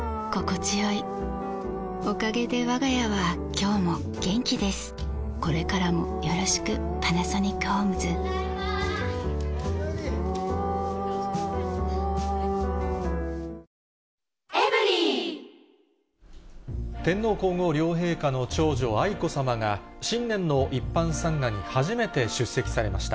きゅうりとかすごい高かった天皇皇后両陛下の長女、愛子さまが新年の一般参賀に初めて出席されました。